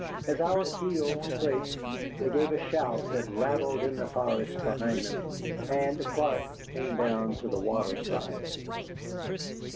As our keel scraped they gave a shout that rattled in the forest behind them, and Clark came down to the waterside.